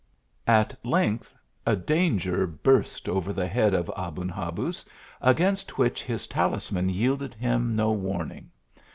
At length a danger burst over the head of Aben Habuz, against which, his talisman yielded him no warning.